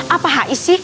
apa hai sih